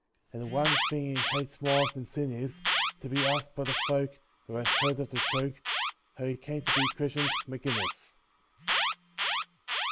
And the one thing he hates more than sin is To be asked by the folk, who have heard of the joke, How he came to be christened Maginnis!